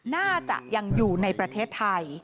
น่าจะยังอยู่ในประเทศไทย